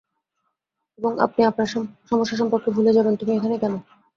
এবং আপনি আপনার সমস্যা সম্পর্কে ভুলে যাবেন -তুমি এখানে কেন?